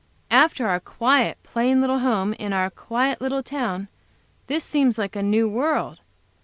After our quiet, plain little home, in our quiet little town, this seems like a new world.